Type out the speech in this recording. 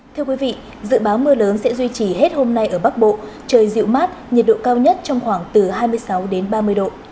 thưa quý vị dự báo mưa lớn sẽ duy trì hết hôm nay ở bắc bộ trời dịu mát nhiệt độ cao nhất trong khoảng từ hai mươi sáu đến ba mươi độ